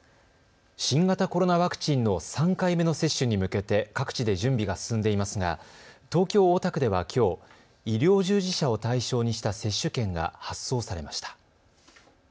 新型コロナワクチンの３回目の接種に向けて各地で準備が進んでいますが東京大田区ではきょう、医療従事者を対象にした接種券が発送されました。